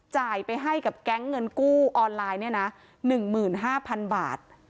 จ่ายไปให้กับแก๊งเงินกู้ออนไลน์เนี่ยนะ๑๕๐๐๐บาท